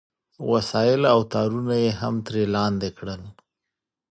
وسایل او تارونه یې هم ترې لاندې کړل